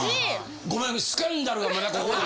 ごめんスキャンダルがまだここに。